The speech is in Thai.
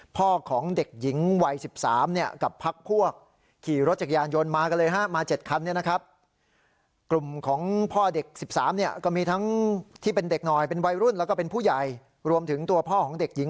พ่อของเด็กหญิง๑๓ต่อกับพรรคพวกขี่รถจักรยานโยนมากันเลย